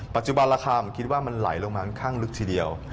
ปัจจุบันราคาผมคิดว่ามันไหลลงมาค่อนข้างลึกทีเดียว